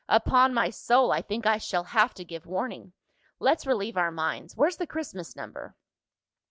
Upon my soul, I think I shall have to give warning! Let's relieve our minds. Where's the Christmas Number?"